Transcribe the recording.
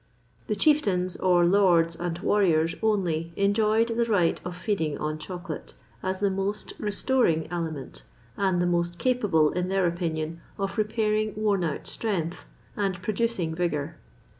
The chieftains, or lords and warriors only, enjoyed the right of feeding on chocolate, as the most restoring aliment, and the most capable, in their opinion, of repairing worn out strength and producing vigour.